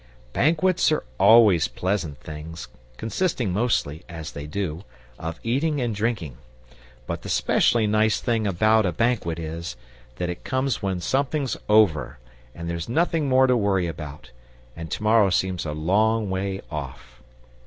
Banquets are always pleasant things, consisting mostly, as they do, of eating and drinking; but the specially nice thing about a banquet is, that it comes when something's over, and there's nothing more to worry about, and to morrow seems a long way off.